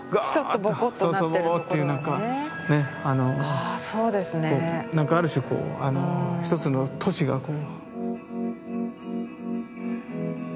あそうですね。何かある種こう一つの都市がこう。